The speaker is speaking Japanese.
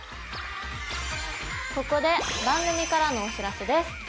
ここで番組からのお知らせです。